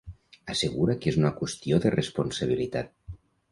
Assegura que és una qüestió de "responsabilitat".